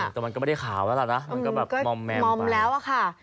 แต่มันก็ไม่ได้ขาวแล้วล่ะนะมันก็แบบมอมแมมไป